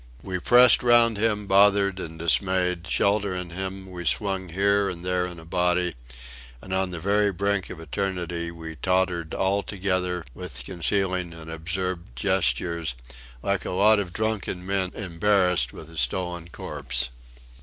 We pressed round him, bothered and dismayed; sheltering him we swung here and there in a body; and on the very brink of eternity we tottered all together with concealing and absurd gestures, like a lot of drunken men embarrassed with a stolen corpse.